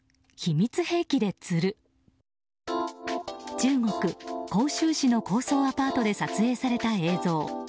中国・杭州市の高層アパートで撮影された映像。